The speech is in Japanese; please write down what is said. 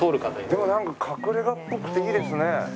でもなんか隠れ家っぽくていいですね。